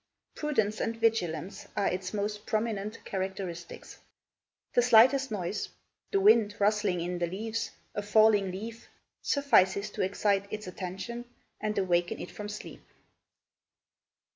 Prudence and vigilance are its most prominent characteristics. The slightest noise the wind rustling in the leaves, a falling leaf suffices to excite its attention and awaken it from sleep.